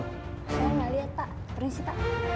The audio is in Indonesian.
aku gak liat pak berhenti pak